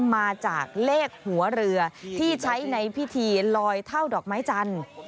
มาจากเลขหัวเรือที่ใช้ในพิธีลอยเท่าดอกไม้จันทร์